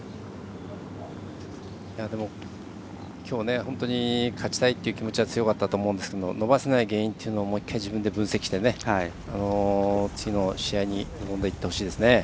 きょう、本当に勝ちたいという気持ちが強かったと思うんですけど伸ばせない原因というのももう１回、自分で分析して次の試合に臨んでいってほしいです。